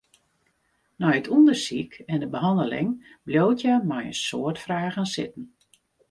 Nei it ûndersyk en de behanneling bliuwt hja mei in soad fragen sitten.